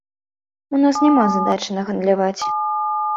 У нас няма задачы нагандляваць.